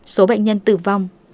số bệnh nhân tử vong